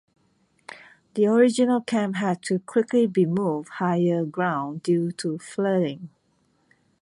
The original camp had to quickly be move higher ground due to flooding.